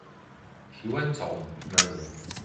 She went on, murmuring.